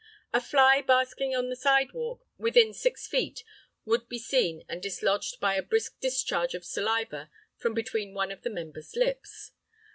A fly basking on the sidewalk within six feet would be seen and dislodged by a brisk discharge of saliva from between one of the member's lips.